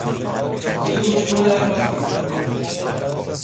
سروش برو در رو باز کن